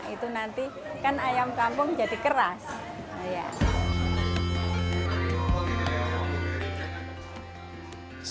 itu nanti kan ayam kampung jadi keras